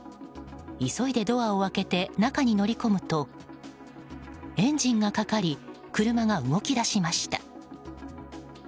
急いでドアを開けて中に乗り込むとエンジンがかかり車が動き出しました。